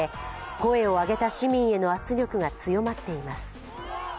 声を上げた市民への圧力が強まっています。